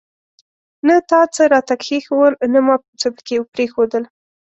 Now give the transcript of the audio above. نه تا څه راته کښېښوول ، نه ما څه پکښي پريښودل.